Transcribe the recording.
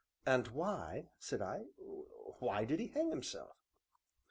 "And why," said I, "why did he hang himself?"